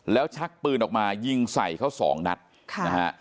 แล้วชักปืนออกมายิงใส่เขาสองนัดค่ะนะฮะ